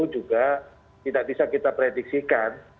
juga tidak bisa kita prediksikan